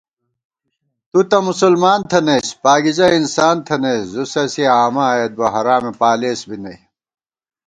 تُوتہ مُسلمان تھنَئیس پاگِزہ انسان تھنَئیس * زُوسَسی آمہ ائیت بہ حرامےپالېس بی نئ